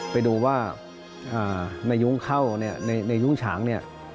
ไปดูว่าในยุงข้าวในยุงฉาว